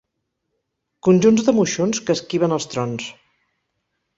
Conjunts de moixons que esquiven els trons.